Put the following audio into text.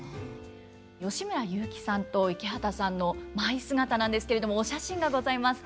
吉村雄輝さんと池畑さんの舞姿なんですけれどもお写真がございます。